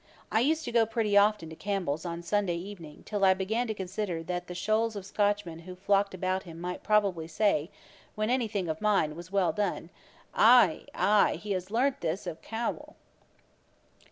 I used to go pretty often to Campbell's on a Sunday evening till I began to consider that the shoals of Scotchmen who flocked about him might probably say, when any thing of mine was well done, 'Ay, ay, he has learnt this of CAWMELL!'